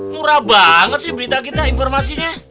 murah banget sih berita kita informasinya